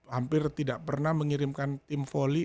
hampir tidak pernah mengirimkan tim voli